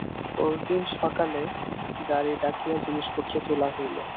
পরদিন সকালে গাড়ি ডাকিয়া জিনিসপত্র তোলা হইল।